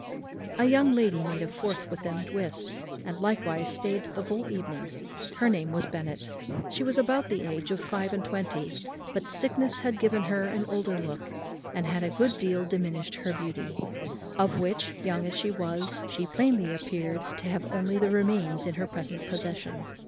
A young lady made a fourth with them at whist, and likewise stayed the whole evening. Her name was Bennet. She was about the age of five and twenty; but sickness had given her an older look, and had a good deal diminished her beauty; of which, young as she was, she plainly appeared to have only the remains in her present possession.